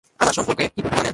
আমার সম্পর্কে কী তথ্য জানেন?